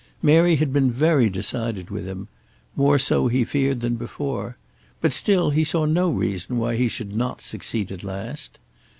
Mary had been very decided with him, more so he feared than before; but still he saw no reason why he should not succeed at last.